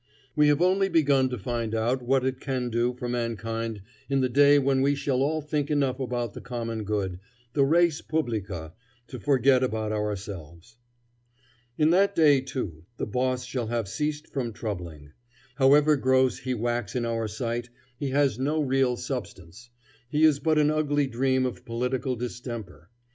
We have only begun to find out what it can do for mankind in the day when we shall all think enough about the common good, the res publica, to forget about ourselves. In that day, too, the boss shall have ceased from troubling. However gross he wax in our sight, he has no real substance. He is but an ugly dream of political distemper.